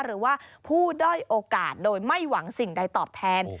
หรือว่าผู้ด้อยโอกาสโดยไม่หวังสิ่งใดตอบแทน